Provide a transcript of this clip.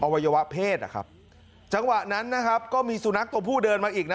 วัยวะเพศนะครับจังหวะนั้นนะครับก็มีสุนัขตัวผู้เดินมาอีกนะ